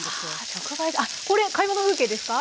直売所あっこれ買い物風景ですか？